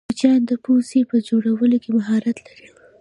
کوچیان د پوڅې په جوړولو کی مهارت لرې.